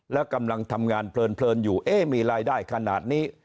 แล้วกำลังทำงานเพลินอยู่เอ๊ะมีรายได้ขนาดนี้